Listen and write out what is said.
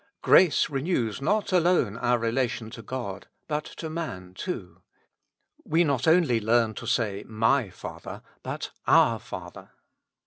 Grace renews not alone our relation to God, but to man too. We not only learn to say *' My Father," but " Our Father."